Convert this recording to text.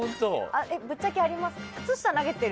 ぶっちゃけ、あります？